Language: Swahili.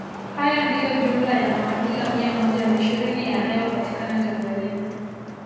Haya ndiyo jumla ya makabila mia moja na ishirini yanayopatikana Tanzania